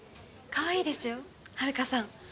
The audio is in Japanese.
かわいいですよはるかさん。